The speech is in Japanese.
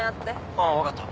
あぁ分かった。